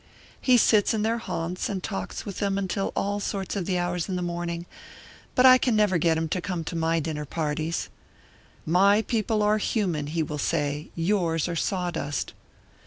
He sits in their haunts and talks with them until all sorts of hours in the morning, but I can never get him to come to my dinner parties. 'My people are human,' he will say; 'yours are sawdust.'